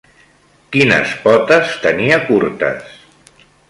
Quines potes tenia curtes?